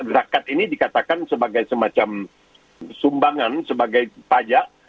rakat ini dikatakan sebagai semacam sumbangan sebagai pajak